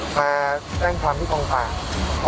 มาแจ้งความที่คงภาค